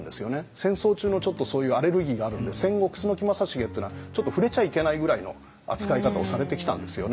戦争中のちょっとそういうアレルギーがあるんで戦後楠木正成っていうのはちょっと触れちゃいけないぐらいの扱い方をされてきたんですよね。